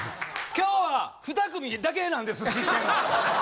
今日は２組だけなんです知ってるの！